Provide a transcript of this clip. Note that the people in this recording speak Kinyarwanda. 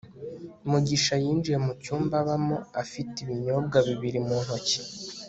mugisha yinjiye mu cyumba abamo afite ibinyobwa bibiri mu ntoki